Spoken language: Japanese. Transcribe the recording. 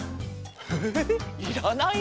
えいらない？